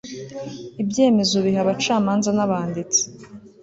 ibyemezo biha abacamanza n abanditsi